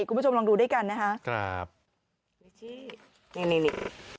คุณผู้ชมลองดูด้วยกันนะคะครับนี่นี่นี่